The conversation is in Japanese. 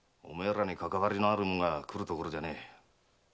おめえらにかかわりのある者が来る所じゃねえ。